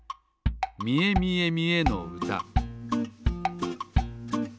「みえみえみえの歌」